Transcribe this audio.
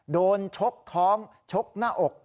ชกท้องชกหน้าอก